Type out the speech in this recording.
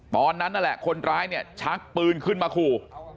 นั่นแหละคนร้ายเนี่ยชักปืนขึ้นมาขู่